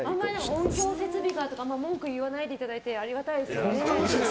音響設備がとか文句言わないでいただいてありがたいですよね。